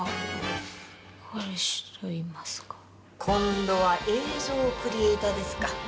今度は映像クリエーターですか。